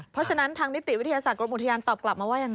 เพราะฉะนั้นทางนิติวิทยาศาสตร์กรมอุทยานตอบกลับมาว่ายังไง